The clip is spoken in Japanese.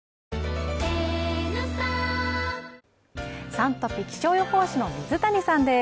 「Ｓｕｎトピ」、気象予報士の水谷さんです。